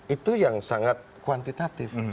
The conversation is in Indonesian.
itu yang sangat kuantitatif